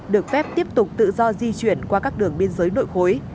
được phép tiếp tục tự do di chuyển qua các đường biên giới nội khối